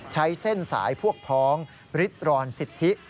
ใช้เส้นสายพวกพ้องริดรอนสิทธิ